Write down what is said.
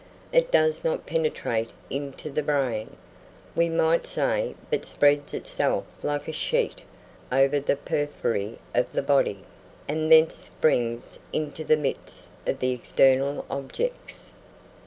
It does not penetrate into the brain, we might say, but spreads itself like a sheet over the periphery of the body, and thence springs into the midst of the external objects.